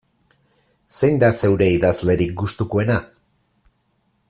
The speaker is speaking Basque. Zein da zeure idazlerik gustukoena?